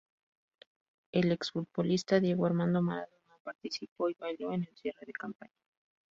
El ex futbolista Diego Armando Maradona participó y bailó en el cierre de campaña.